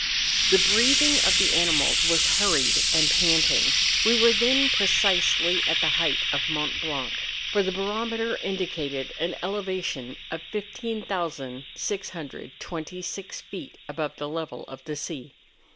The breathing of the animals was hurried and panting. We were then precisely at the height of Mont Blanc, for the barometer indicated an elevation of 15,626 feet above the level of the sea.